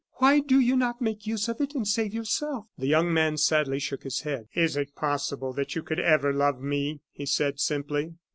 Why do you not make use of it and save yourself?" The young man sadly shook his head. "Is it possible that you could ever love me?" he said, simply.